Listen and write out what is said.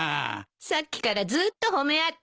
さっきからずっと褒め合ってる。